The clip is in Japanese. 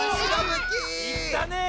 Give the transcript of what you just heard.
いったねぇ！